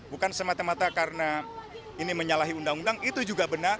bukan semata mata karena ini menyalahi undang undang itu juga benar